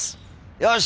よし！